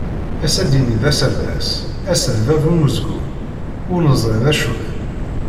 Ass ad d-yini d aserdas, ass d bab umezgun, ur neẓri d acu-t.